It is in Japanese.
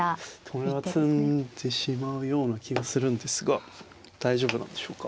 これは詰んでしまうような気がするんですが大丈夫なんでしょうか。